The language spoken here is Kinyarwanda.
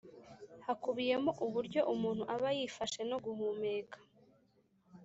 hakubiyemo uburyo umuntu aba yifashe no guhumeka.